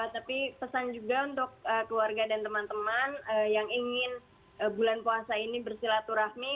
tapi pesan juga untuk keluarga dan teman teman yang ingin bulan puasa ini bersilaturahmi